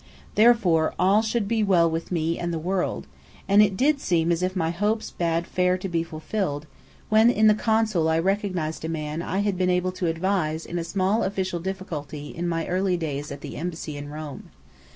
Therefore all should be well with me and the world; and it did seem as if my hopes bade fair to be fulfilled, when in the Consul I recognized a man I had been able to advise in a small official difficulty in my early days at the Embassy in Rome.